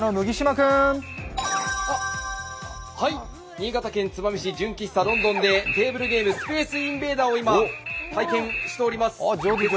新潟県燕市、純喫茶ロンドンでテーブルゲーム「スペースインベーダー」を今体験しております。